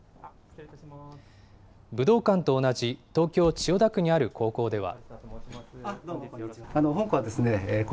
武道館と同じ東京・千代田区にある高校では。